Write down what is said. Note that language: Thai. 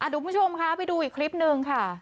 คุณผู้ชมค่ะไปดูอีกคลิปนึงค่ะ